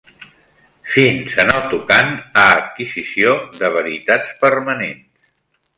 Fins en el tocant a adquisició de veritats permanents.